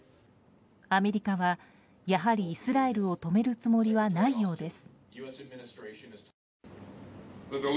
アメリカは、やはりイスラエルを止めるつもりはないようです。